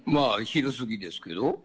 昼すぎですけど。